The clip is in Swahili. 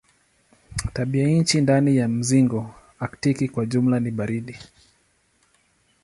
Tabianchi ndani ya mzingo aktiki kwa jumla ni baridi.